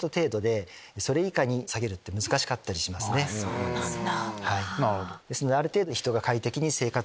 そうなんだ。